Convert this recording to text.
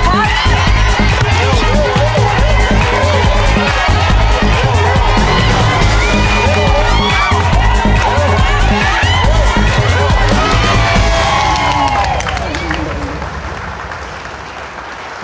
ไม่ออกครับ